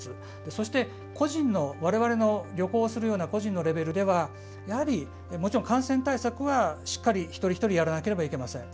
そして、個人の旅行をする個人のレベルではやはりもちろん感染対策はしっかり一人一人やらなければいけません。